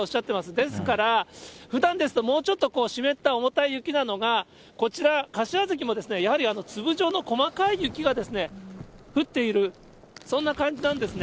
ですから、ふだんですと、もうちょっと湿った重たい雪なのが、こちら柏崎も、やはり粒状の細かい雪が、降っている、そんな感じなんですね。